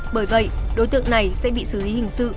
bởi vậy đối tượng này sẽ bị xử lý hình sự